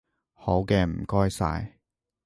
好嘅，唔該晒